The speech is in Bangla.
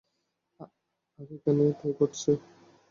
আর এখানে তাই ঘটছে।